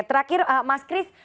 terakhir mas chris